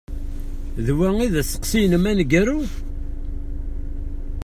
D wa i d asteqsi-inem aneggaru?